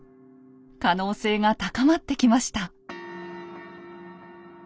可能性が高まってきました。